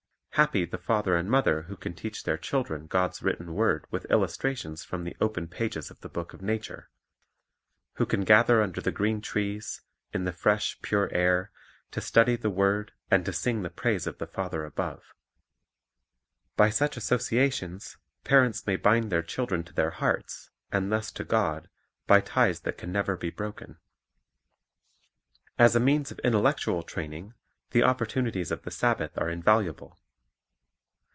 Happy the father and mother who can teach their children God's written word with illustrations from the open pages of the book of nature; who can gather under the green trees, in the fresh, pure air, to study the word and to sing the praise of the Father above. By such associations parents may bind their children to their hearts, and thus to God, by ties that can never be broken. As a means of intellectual training, the opportunities of the Sabbath are invaluable.